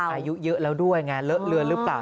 อายุเยอะแล้วด้วยไงเลอะเลือนหรือเปล่า